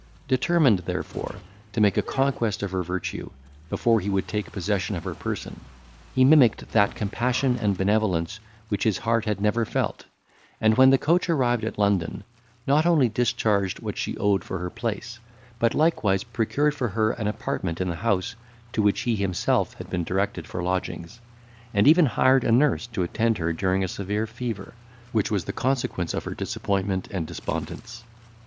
Determined, therefore, to make a conquest of her virtue, before he would take possession of her person, he mimicked that compassion and benevolence which his heart had never felt, and, when the coach arrived at London, not only discharged what she owed for her place, but likewise procured for her an apartment in the house to which he himself had been directed for lodgings, and even hired a nurse to attend her during a severe fever, which was the consequence of her disappointment and despondence.